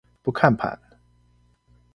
不看盤